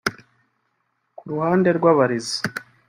Ku ruhande rw’abarezi